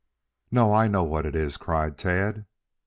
"No. I know what it is," cried Tad.